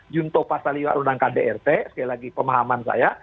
junto pasal lima undang kdrt sekali lagi pemahaman saya